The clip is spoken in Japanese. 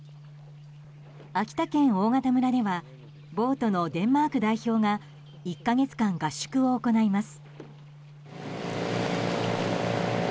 秋田県大潟村ではボートのデンマーク代表が１か月間、合宿を行います。